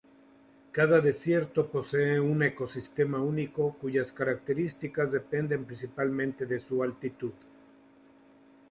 Cada desierto posee um ecosistema único cuyas características dependen principalmente de su altitud.